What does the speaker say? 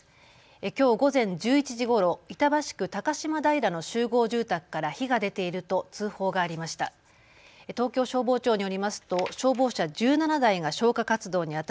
きょう午前１１時ごろ板橋区高島平の集合住宅から火が出ていると通報がありました。